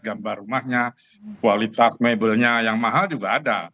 gambar rumahnya kualitas mebelnya yang mahal juga ada